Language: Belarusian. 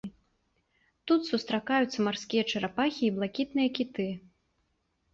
Тут сустракаюцца марскія чарапахі і блакітныя кіты.